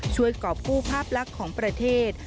กรอบกู้ภาพลักษณ์ของประเทศ